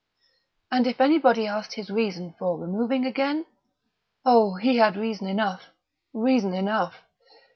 And if anybody asked his reason for removing again? Oh, he had reason enough reason enough!